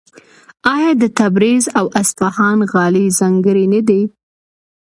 آیا د تبریز او اصفهان غالۍ ځانګړې نه دي؟